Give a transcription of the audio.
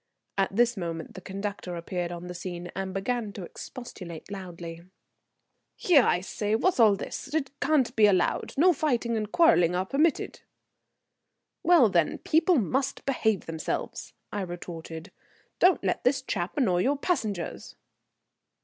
At this moment the conductor appeared upon the scene, and began to expostulate loudly. "Here, I say, what's all this? It can't be allowed. No fighting and quarrelling are permitted." "Well, then, people must behave themselves," I retorted. "Don't let this chap annoy your passengers."